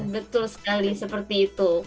betul sekali seperti itu